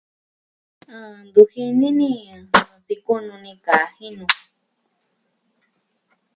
Ah... ntu jini ni ɨɨ... sikua'an nuu ni kaa jinu.